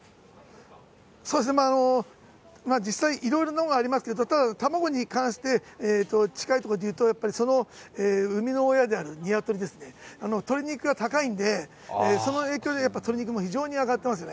そうですね、実際、いろいろなのがありますけど、ただ、卵に関して、近いところでいうと、やっぱりその生みの親であるニワトリですね、鶏肉が高いんで、その影響でやっぱり鶏肉も非常に上がってますよね。